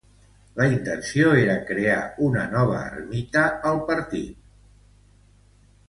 La intenció era crear una nova ermita al partit d'Arriba.